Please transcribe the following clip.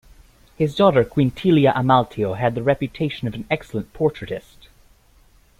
His daughter Quintilia Amalteo had the reputation of an excellent portraitist.